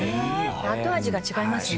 後味が違いますね。